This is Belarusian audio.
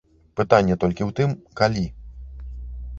Пытанне толькі ў тым, калі?